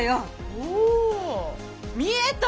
お見えた！